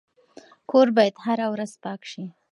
کور باید هره ورځ پاک شي.